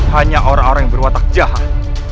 hanya orang orang yang berwatak jahat